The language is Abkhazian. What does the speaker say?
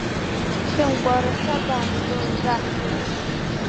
Хьымкәараса баангыл, Ӡаҳкәажә.